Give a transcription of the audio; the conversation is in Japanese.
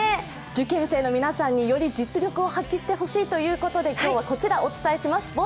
受験生の皆さんにより実力を発揮してほしいということで今日はこちらをお伝えします。